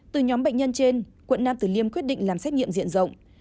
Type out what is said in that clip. từ nhóm bệnh nhân trên quận nam tử liêm quyết định làm xét nghiệm diện rộng